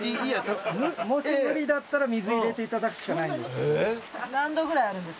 もし無理だったら水を入れていただくしかない。